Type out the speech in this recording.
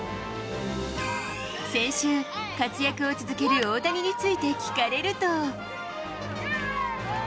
先週、活躍を続ける大谷について聞かれると。